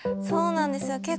そうなんですよ